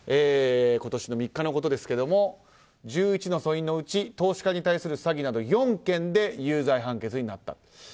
今年の３日のことですけども１１の訴因のうち投資家に対する詐欺など４件で有罪判決になった。